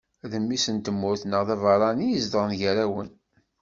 D mmi-s n tmurt neɣ d abeṛṛani izedɣen gar-awen.